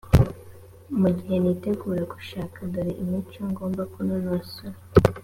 mu gihe nitegura gushaka dore imico ngomba kunonosora